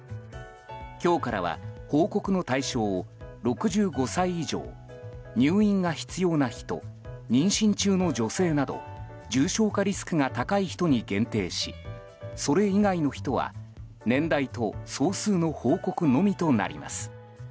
今日からは報告の対象を６５歳以上入院が必要な人妊娠中の女性など重症化リスクが高い人に限定しそれ以外の人は年代と総数の報告のみとなります。